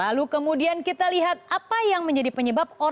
lalu kemudian kita lihat apa yang menjadi penyebab